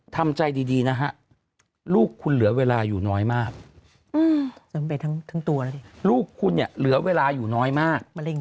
ทำใจดีนะฮะลูกคุณเหลือเวลาอยู่น้อยมากลูกคุณเนี่ยเหลือเวลาอยู่น้อยมาก